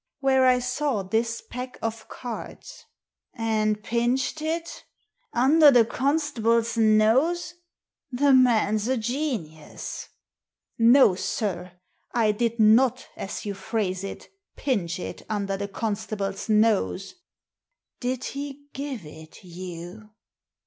"Where I saw this pack of cards." "And pinched it? Under the constable's nose. The man's a genius." "No, sir; I did not, as you phrase it, pinch it, under the constable's nose." " Did he give it you